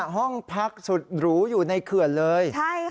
ห้องพักสุดหรูอยู่ในเขื่อนเลย